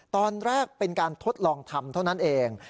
ตอนแรกเป็นการทดลองทำเท่านั้นเอง